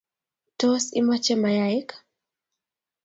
Tos, imache mayaik?